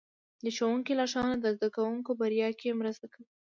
د ښوونکي لارښوونه د زده کوونکو بریا کې مرسته وکړه.